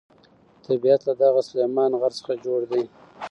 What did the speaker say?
طبیعت له دغه سلیمان غر څخه جوړ دی.